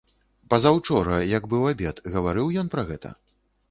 Пазаўчора, як быў абед, гаварыў ён пра гэта?